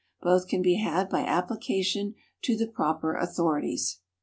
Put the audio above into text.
Both can be had by application to the proper authorities.